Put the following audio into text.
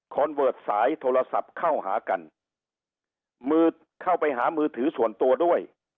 เวิร์ตสายโทรศัพท์เข้าหากันมือเข้าไปหามือถือส่วนตัวด้วย